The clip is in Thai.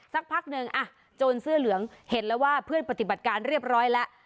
สักพักหนึ่งโจรเสื้อเหลืองเห็นแล้วว่าเพื่อนปฏิบัติการเรียบร้อยแล้ว